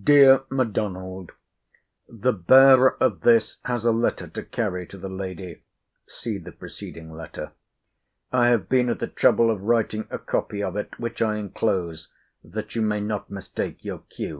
DEAR M'DONALD, The bearer of this has a letter to carry to the lady.* I have been at the trouble of writing a copy of it: which I enclose, that you may not mistake your cue.